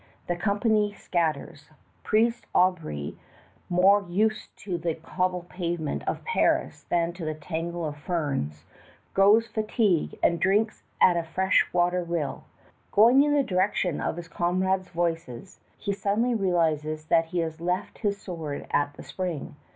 The company scatters. Priest Aubry, more used to the cobble pavement of Paris than to the tangle of ferns, grows fatigued and drinks at a fresh water rill. Going in the direction of his comrades' voices, he suddenly realizes that he has left his sword at the spring.